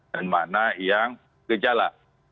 dan mana yang gejala